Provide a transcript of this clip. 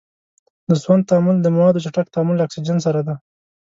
د سون تعامل د موادو چټک تعامل له اکسیجن سره دی.